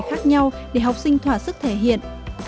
khác nhau để học sinh thỏa sức thể hiện